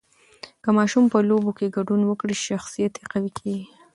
که ماشوم په لوبو کې ګډون وکړي، شخصیت یې قوي کېږي.